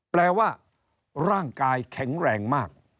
แปลว่าร่างกายแข็งแรงมาก